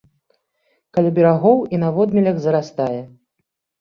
Каля берагоў і на водмелях зарастае.